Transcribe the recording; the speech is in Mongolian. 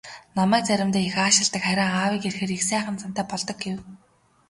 "Намайг заримдаа их аашилдаг, харин аавыг ирэхээр их сайхан зантай болдог" гэв.